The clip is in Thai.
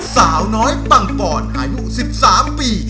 สาวน้อยปังปอนอายุ๑๓ปี